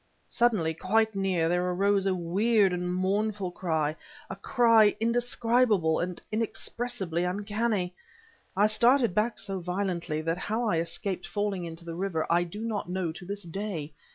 Suddenly, quite near, there arose a weird and mournful cry a cry indescribable, and inexpressibly uncanny! I started back so violently that how I escaped falling into the river I do not know to this day.